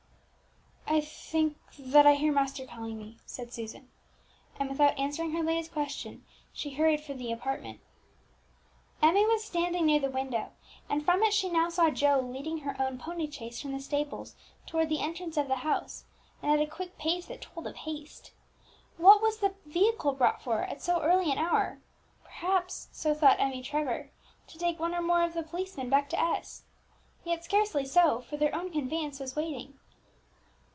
"I think that I hear master calling me," said Susan; and without answering her lady's question, she hurried from the apartment. Emmie was standing near the window, and from it she now saw Joe leading her own pony chaise from the stables towards the entrance of the house, and at a quick pace that told of haste. What was the vehicle brought for at so early an hour? Perhaps so thought Emmie Trevor to take one or more of the policemen back to S . Yet scarcely so, for their own conveyance was waiting.